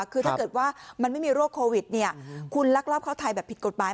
คือถ้าเกิดว่ามันไม่มีโรคโควิดเนี่ยคุณลักลอบเข้าไทยแบบผิดกฎหมาย